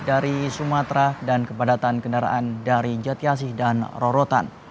dari sumatera dan kepadatan kendaraan dari jatiasi dan rorotan